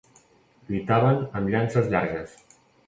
Lluitaven amb llances llargues.